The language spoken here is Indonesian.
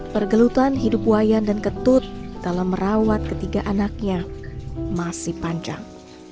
pergelutan hidup wayan dan ketut dalam merawat ketiga anaknya masih panjang